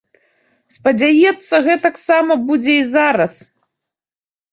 Спадзяецца, гэтаксама будзе і зараз.